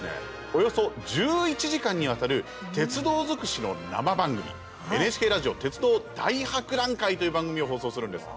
およそ１１時間にわたる鉄道尽くしの生番組「ＮＨＫラジオ鉄道大博覧会」という番組を放送するんです。